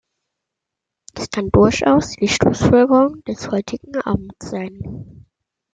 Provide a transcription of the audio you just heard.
Das kann durchaus die Schlussfolgerung des heutigen Abends sein.